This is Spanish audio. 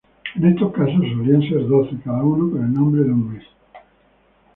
En estos casos solían ser doce, cada uno con el nombre de un mes.